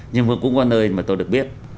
nhưng mà cũng có nơi mà tôi được biết